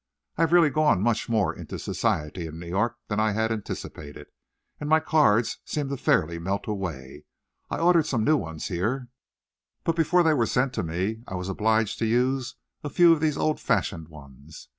I have really gone much more into society in New York than I had anticipated, and my cards seemed fairly to melt away. I ordered some new ones here, but before they were sent to me I was obliged to use a few of these old fashioned ones.